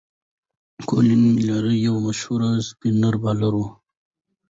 کولن میلیر یو مشهور سپېن بالر دئ.